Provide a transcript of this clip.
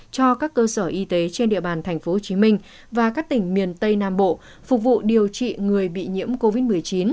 cho các cơ sở y tế trên địa bàn tp hcm và các tỉnh miền tây nam bộ phục vụ điều trị người bị nhiễm covid một mươi chín